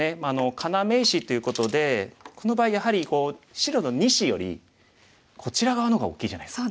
要石ということでこの場合やはり白の２子よりこちら側の方が大きいじゃないですか。